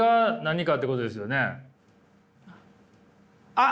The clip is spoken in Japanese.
あっ。